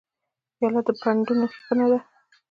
پیاله د پندونو ښیګڼه ده.